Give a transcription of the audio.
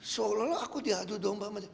seolah olah aku diadu domba